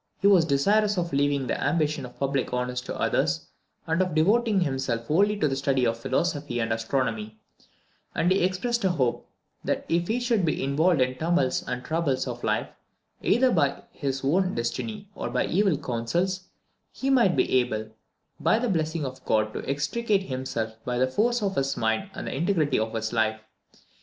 He was desirous of leaving the ambition of public honours to others, and of devoting himself wholly to the study of philosophy and astronomy; and he expressed a hope that if he should be involved in the tumults and troubles of life, either by his own destiny or by evil counsels, he might be able, by the blessing of God, to extricate himself by the force of his mind and the integrity of his life.